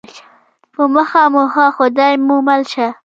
په مخه مو ښه خدای مو مل شه